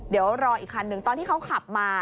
เดี๋ยวรออีกคันหนึ่งตอนที่เขาขับมา